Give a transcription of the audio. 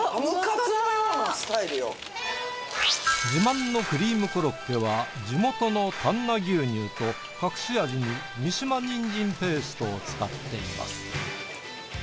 自慢のクリームコロッケは地元の丹那牛乳と隠し味に三島人参ペーストを使っています。